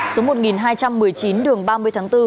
số một nghìn hai trăm một mươi chín đường ba mươi tháng bốn